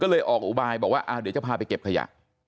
ก็เลยออกอุบายบอกว่าเดี๋ยวจะพาไปเก็บขยะ